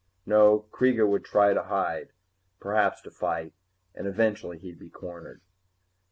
No, Kreega would try to hide, and perhaps to fight, and eventually he'd be cornered.